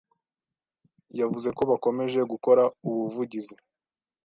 yavuze ko bakomeje gukora ubuvugizi